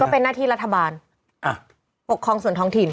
ก็เป็นนจิรถบาลปกครองส่วนของทิน